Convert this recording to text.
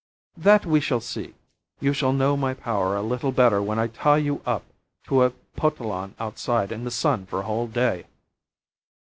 "That we shall see. You shall know my power a little better when I tie you up to a potalon outside in the sun for a whole day."